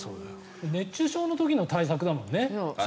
熱中症の時の対策だもんね。